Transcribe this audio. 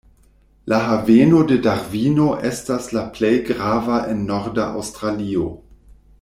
La haveno de Darvino estas la plej grava en norda Aŭstralio.